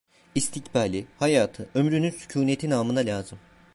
İstikbali, hayatı, ömrünün sükuneti namına lazım…